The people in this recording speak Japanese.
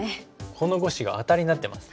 この５子がアタリになってます。